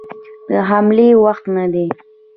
د حملې وخت نه دی.